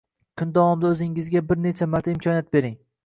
Kun davomida o’zingizga bir necha marta imkoniyat bering